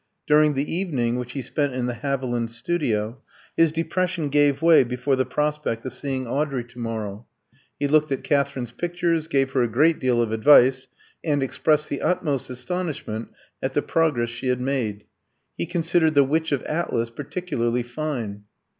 During the evening, which he spent in the Havilands' studio, his depression gave way before the prospect of seeing Audrey to morrow. He looked at Katherine's pictures, gave her a great deal of advice, and expressed the utmost astonishment at the progress she had made. He considered "The Witch of Atlas" particularly fine.